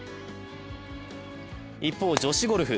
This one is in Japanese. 一方、女子ゴルフ。